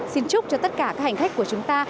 xin chúc cho tất cả các hành khách của chúng ta